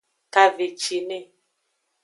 Kavecine.